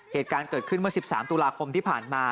เหตุการณ์เกิดขึ้นเมื่อ๑๓ตุลาคมที่ผ่านมา